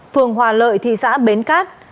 phường hòa lợi thị xã bến cát